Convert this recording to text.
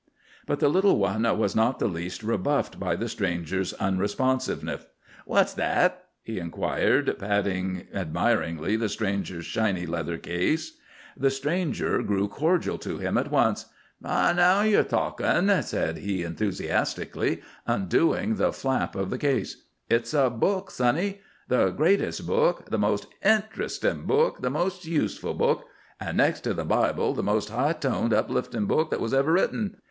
But the little one was not in the least rebuffed by the stranger's unresponsiveness. "What's that?" he inquired, patting admiringly the stranger's shiny leather case. The stranger grew cordial to him at once. "Ah, now ye're talkin'," said he enthusiastically, undoing the flap of the case. "It's a book, sonny. The greatest book, the most interestin' book, the most useful book—and next to the Bible the most high toned, uplifting book that was ever written.